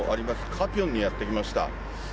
カピョンにやって来ました。